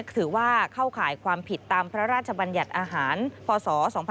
ถือว่าเข้าข่ายความผิดตามพระราชบัญญัติอาหารพศ๒๕๖๒